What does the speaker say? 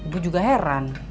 bu juga heran